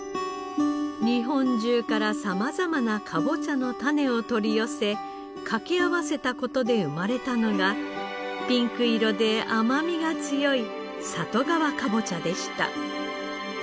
日本中から様々なかぼちゃの種を取り寄せかけ合わせた事で生まれたのがピンク色で甘みが強い里川かぼちゃでした。